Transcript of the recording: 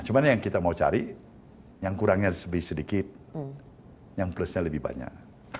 cuma yang kita mau cari yang kurangnya sedikit yang plusnya lebih banyak